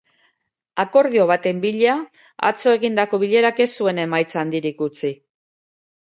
Akordio baten bila atzo egindako bilerak ez zuen emaitza handirik utzi.